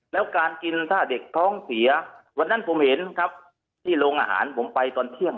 แล้วการกินถ้าเด็กท้องเสียวันนั้นผมเห็นครับที่โรงอาหารผมไปตอนเที่ยง